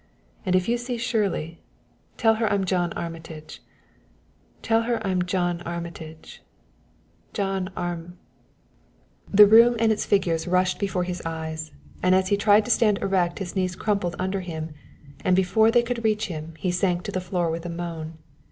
and if you see Shirley, tell her I'm John Armitage tell her I'm John Armitage, John Arm " The room and its figures rushed before his eyes, and as he tried to stand erect his knees crumpled under him, and before they could reach him he sank to the floor with a moan.